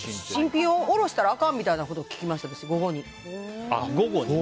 新品を下ろしたらあかんみたいなこと聞きました、午後に。